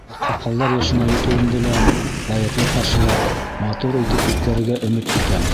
Аҡһаҡалдар йәшенә етеүемде лә лайыҡлы ҡаршылап, матур итеп үткәрергә өмөт итәм.